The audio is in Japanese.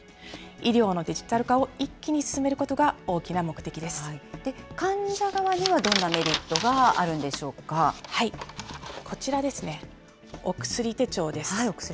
医療のデジタル化を一気に進める患者側にはどんなメリットがこちらですね、お薬手帳です。